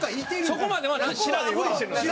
そこまでは知らんふりしてるんですよ。